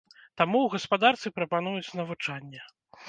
Таму ў гаспадарцы прапануюць навучанне.